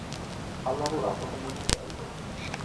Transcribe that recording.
Ha lavorato come modello.